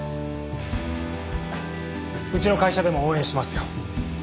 うちの会社でも応援しますよ。